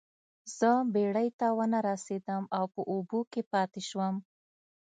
زه بیړۍ ته ونه رسیدم او په اوبو کې پاتې شوم.